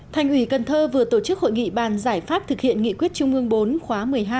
thành ủy cần thơ vừa tổ chức hội nghị bàn giải pháp thực hiện nghị quyết trung ương bốn khóa một mươi hai